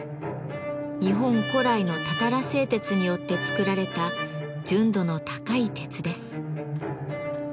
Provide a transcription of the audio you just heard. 日本古来のたたら製鉄によって作られた純度の高い鉄です。